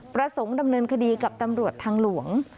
ประสงค์ดำเนินคดีกับตำรวจทางหลวง